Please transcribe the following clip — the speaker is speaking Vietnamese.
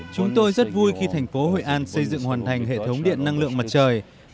chúng tôi rất vui khi thành phố hội an xây dựng hoàn thành hệ thống điện năng lượng mặt trời